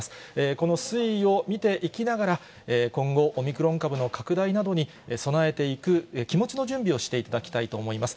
この推移を見ていきながら、今後、オミクロン株の拡大などに備えていく気持ちの準備をしていただきたいと思います。